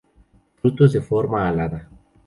Frutos de forma alada.